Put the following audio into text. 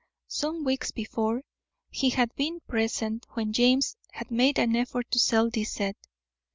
Some weeks before, he had been present when James had made an effort to sell this set.